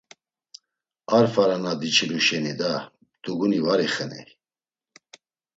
Ar fara na diçilu şeni da, duguni var ixeney.